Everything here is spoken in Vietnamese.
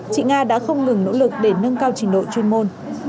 chị nga đã không ngừng nỗ lực để nâng cao trình độ chuyên môn